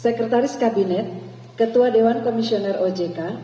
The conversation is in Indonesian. sekretaris kabinet ketua dewan komisioner ojk